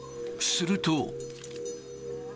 すると。